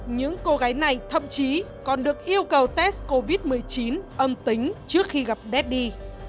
những cô gái này thậm chí còn được yêu cầu test covid một mươi chín âm tính trước khi gặp deddy